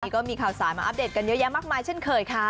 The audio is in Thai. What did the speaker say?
ก็มีข่าวสารมาอัปเดตกันเยอะแยะมากมายเช่นเคยค่ะ